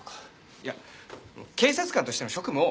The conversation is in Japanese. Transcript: いや警察官としての職務を。